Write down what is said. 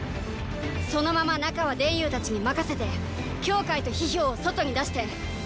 そのまま中は田有たちに任せて羌と飛を外に出して。